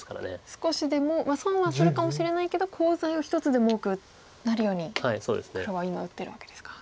少しでも損はするかもしれないけどコウ材を一つでも多くなるように黒は今打ってるわけですか。